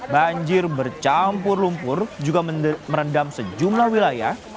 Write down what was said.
banjir bercampur lumpur juga merendam sejumlah wilayah